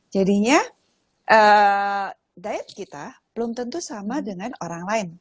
jadinya diet kita belum tentu sama dengan orang lain